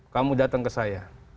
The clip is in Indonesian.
kamu datang ke saya